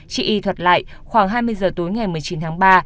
chị y thuật lại khoảng hai mươi giờ tối ngày một mươi chín tháng ba